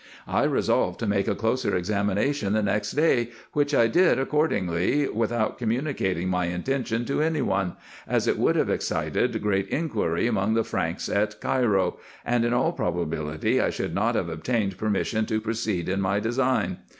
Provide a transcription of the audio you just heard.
I resolved to make a closer examination the next day, which I did accordingly, without communicating my intention to any one, as it would have excited great inquiry among the Franks at Cairo, and in all probability I should not have obtained permission to proceed in my design.